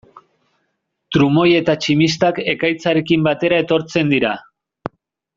Trumoi eta tximistak ekaitzarekin batera etortzen dira.